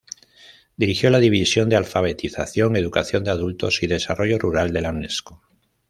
Dirigió la División de Alfabetización, Educación de Adultos y Desarrollo Rural de la Unesco.